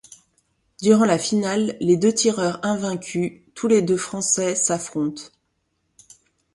Durant la finale, les deux tireurs invaincus, tous les deux français, s'affrontent.